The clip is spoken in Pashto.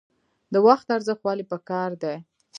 د وخت ارزښت ولې پکار دی؟